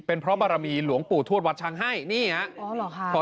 เป็นพระบารมีหลวงปู่ทวดวัดช้างให้นี่ฮะอ๋อเหรอค่ะ